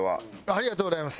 ありがとうございます。